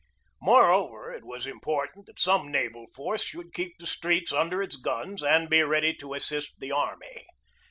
Moreover, it was important that some naval force should keep the streets under its guns and be ready to assist the army.